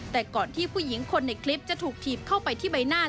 แต่ก่อนที่ผู้หญิงคนในคลิปจะถูกถีบเข้าไปที่ใบหน้า